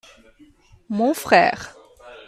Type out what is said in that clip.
mon frère.